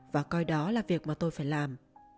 và coi đó là việc mà tôi phải làm